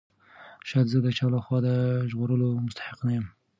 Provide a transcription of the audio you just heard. شاید زه د چا له خوا د ژغورلو مستحق نه یم.